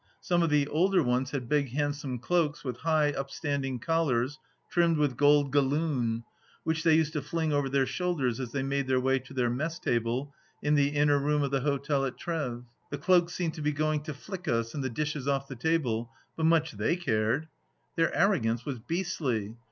Some of the older ones 54 THE LAST DITCH had big handsome cloaks, with high upstanding collars trimmed with gold galloon, which they used to fling over their shoulders as they made their way to their mess table in the inner room of the hotel at Treves. The cloaks seemed to be going to flick us and the dishes off the table, but much they cared !... Their arrogance was beastly.